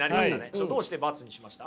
どうして×にしました？